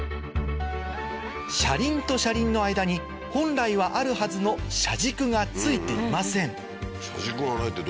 車輪と車輪の間に本来はあるはずの車軸が付いていません